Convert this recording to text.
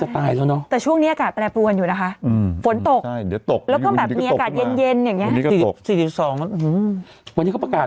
แต่ช่วงนี้อากาศแปลปูนอยู่นะคะ